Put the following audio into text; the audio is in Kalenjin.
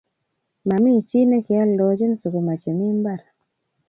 Mami chii nekealdochin sukuma che mii mbar